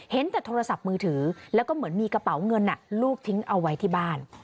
เห็นแต่โทรศัพท์มือถือแล้วก็เหมือนมีกระเป๋าเงินลูกทิ้งเอาไว้ที่บ้าน